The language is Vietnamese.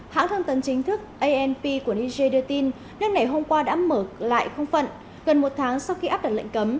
hãng thông tấn chính thức anp của niger đưa tin nước này hôm qua đã mở lại không phận gần một tháng sau khi áp đặt lệnh cấm